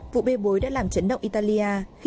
vụ bê bối đã làm chấn động italia